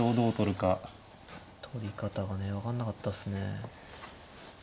とり方がね分かんなかったっすね。